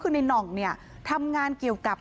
ปี๖๕วันเกิดปี๖๔ไปร่วมงานเช่นเดียวกัน